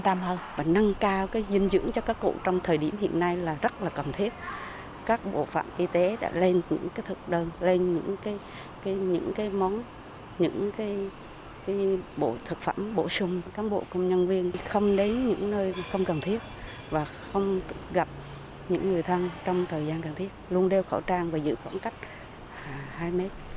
đeo khẩu trang đúng cách và giữ khoảng cách hai mét khi tiếp xúc nơi đông người